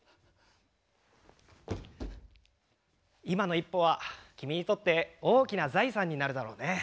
今の一歩は君にとって大きな財産になるだろうね。